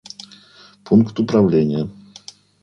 Пункт управления